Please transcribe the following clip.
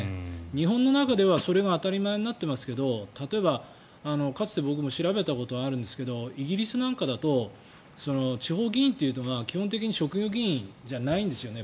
日本の中ではそれが当たり前になっていますけど例えば、かつて僕も調べたことがあるんですがイギリスなんかだと地方議員というのは基本的に職業議員じゃないんですね。